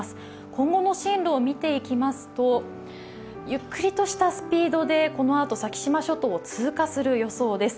今後の進路を見ていきますとゆっくりとしたスピードでこのあと、先島諸島を通過する予想です。